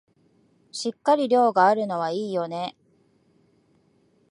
しっかり量があるのはいいよね